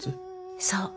そう。